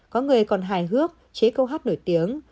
có người còn hài hước chế câu hát nổi tiếng